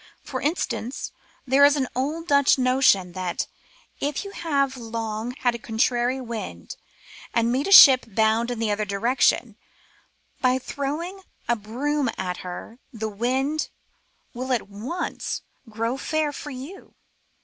For instance, there is an ancient Dutch notion that if you have long had a contrary wind, and meet a ship bound in the opposite direction, by throwing a broom at her the wind will at once grow fair for you.